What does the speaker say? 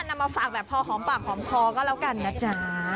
นำมาฝากแบบพอหอมปากหอมคอก็แล้วกันนะจ๊ะ